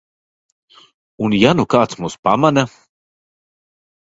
Un ja nu kāds mūs pamana?